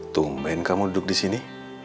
tumben kamu duduk di sini